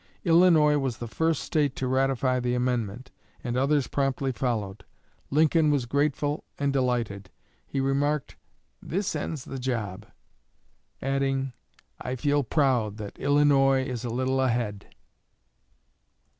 Illinois was the first State to ratify the amendment; and others promptly followed. Lincoln was grateful and delighted. He remarked, "This ends the job"; adding, "I feel proud that Illinois is a little ahead."